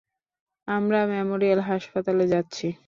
আমরা মেমোরিয়াল হাসপাতালে যাচ্ছি।